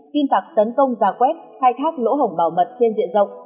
tin tặc tấn công giả quét khai thác lỗ hổng bảo mật trên diện rộng